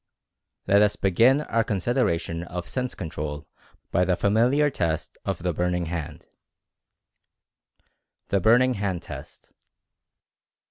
Let us begin our consideration of Sense Control by the familiar test of the ''Burning Hand." THE ^BURNING HAND" TEST.